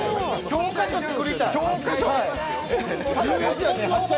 教科書、作りたい。